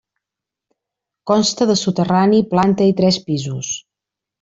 Consta de soterrani, planta i tres pisos.